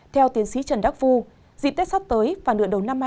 theo tiến sĩ trần đắc phu dịp tết sắp tới vào nửa đầu năm hai nghìn hai mươi hai